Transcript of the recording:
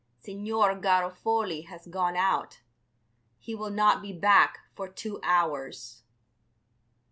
"Signor Garofoli has gone out; he will not be back for two hours."